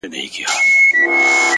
تا په درد كاتــــه اشــــنــــا _